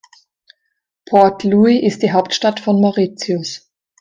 Port Louis ist die Hauptstadt von Mauritius.